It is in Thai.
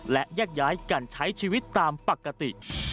และแยกย้ายกันใช้ชีวิตตามปกติ